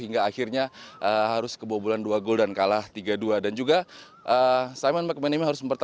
hingga akhirnya harus kebobolan dua gol dan kalah tiga dua dan juga simon mcmanamy harus mempertahan